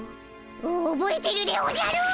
おぼえてるでおじゃる！